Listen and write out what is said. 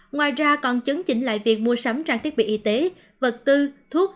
ngoài ra còn chứng chỉnh lại việc mua sắm trang thiết bị y tế vật tư thuốc